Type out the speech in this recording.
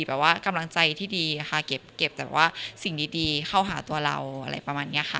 แบบว่ากำลังใจที่ดีค่ะเก็บแต่ว่าสิ่งดีเข้าหาตัวเราอะไรประมาณนี้ค่ะ